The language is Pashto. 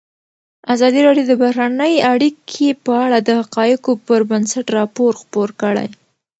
ازادي راډیو د بهرنۍ اړیکې په اړه د حقایقو پر بنسټ راپور خپور کړی.